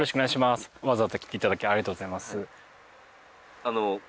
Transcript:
わざわざ来て頂きありがとうございます。